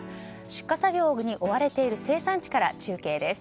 出荷作業に追われている生産地から中継です。